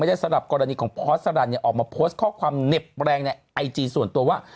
ได้สำหรับกรณีของพอสรรออกมาโพสต์ข้อความเหน็บแรงในไอจีส่วนตัวว่า